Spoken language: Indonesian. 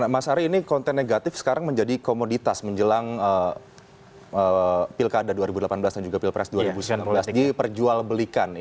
mas ari ini konten negatif sekarang menjadi komoditas menjelang pilkada dua ribu delapan belas dan juga pilpres dua ribu sembilan belas diperjualbelikan